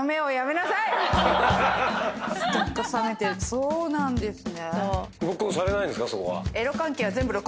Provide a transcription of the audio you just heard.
そうなんですね。